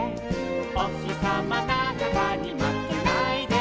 「おひさまなんかにまけないで」